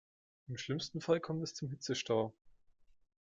Im schlimmsten Fall kommt es zum Hitzestau.